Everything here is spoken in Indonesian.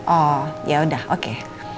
oh yaudah oke